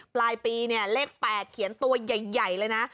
ปลายปีเนี่ยเลข๘เขียนตัวใหญ่เลยนะ